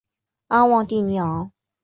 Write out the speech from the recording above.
阿旺蒂尼昂。